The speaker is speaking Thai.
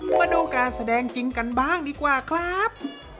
มาดูการแสดงจริงกันบ้างดีกว่าครับ